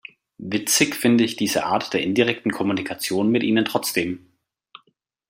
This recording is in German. Witzig finde ich diese Art der indirekten Kommunikation mit Ihnen trotzdem!